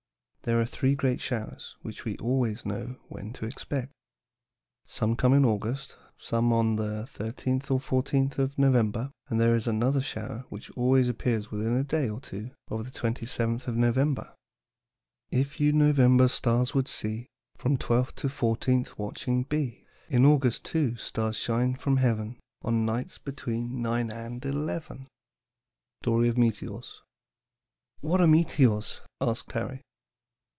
There are three great showers which we always know when to expect. Some come in August, some on the 13th or 14th of November, and there is another shower which always appears within a day or two of the 27th of November. "'If you November's stars would see, From twelfth to fourteenth watching be, In August too stars shine from heaven, On nights between nine and eleven.'" STORY OF METEORS. "What are meteors?" asked Harry.